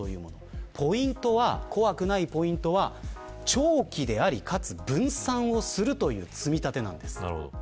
ポイントは、怖くないポイントは長期であり、かつ分散をするという積み立てなんです。